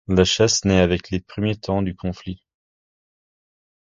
La chasse naît avec les premiers temps du conflit.